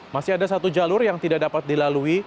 masih ada satu jalur yang tidak dapat dilalui